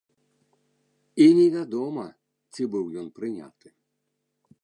І невядома, ці быў ён прыняты.